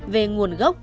về nguồn gốc